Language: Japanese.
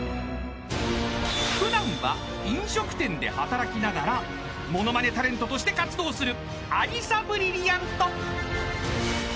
［普段は飲食店で働きながらモノマネタレントとして活動する］